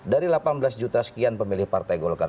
dari delapan belas juta sekian pemilih partai golkar